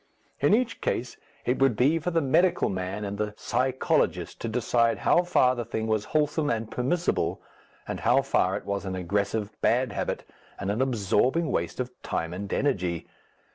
In each case it would be for the medical man and the psychologist to decide how far the thing was wholesome and permissible, and how far it was an aggressive bad habit and an absorbing waste of time and energy.